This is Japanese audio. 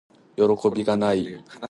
よろこびがない～